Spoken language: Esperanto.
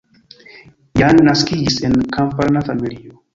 Jan naskiĝis en kamparana familio.